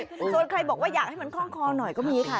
ส่วนใครบอกว่าอยากให้มันคล่องคอหน่อยก็มีค่ะ